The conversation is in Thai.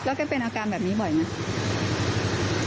แกเป็นอาการแบบนี้บ่อยไหม